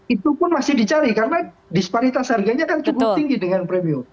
itu pun masih dicari karena disparitas harganya kan cukup tinggi dengan premium